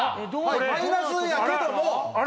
マイナスやけども。